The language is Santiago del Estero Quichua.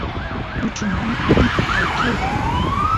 kuchu mana atin ayqeyt